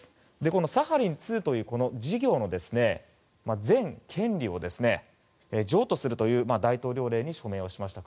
このサハリン２という事業の全権利を譲渡するという大統領令に署名しました。